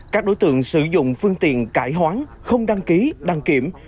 các đối tượng sử dụng phương tiện cải hoán không đăng ký đăng kiểm